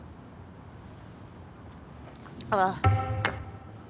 ああ。